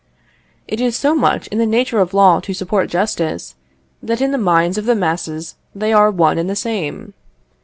It is so much in the nature of law to support justice, that in the minds of the masses they are one and the same.